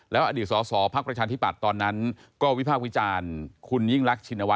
แล้วอดีตสอบพรรคประชาธิปัฏตอนนั้นก็วิพากษ์วิจารณ์คุณยิ่งลักษณวัตร